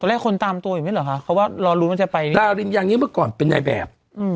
ตอนแรกคนตามตัวอยู่ไหมเหรอคะเขาว่ารู้มันจะไปดาลินยังนี้เมื่อก่อนเป็นในแบบ